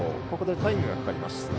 ここでタイムがかかります。